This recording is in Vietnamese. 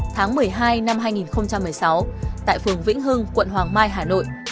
tháng một mươi hai năm hai nghìn một mươi sáu tại phường vĩnh hưng quận hoàng mai hà nội